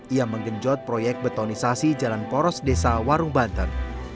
ia menggenjot proyek betonisasi jalan poros desa warung banten